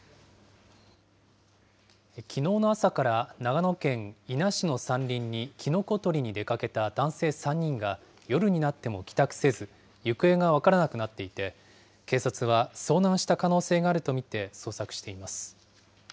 きのうの朝から長野県伊那市の山林にきのこ採りに出かけた男性３人が夜になっても帰宅せず、行方が分からなくなっていて、警察は遭難した可能性があると見て捜索しています。